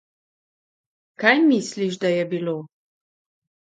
Kaj misliš, da je bilo?